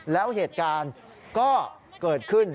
แล้วเหตุการณ์ก็เกิดขึ้น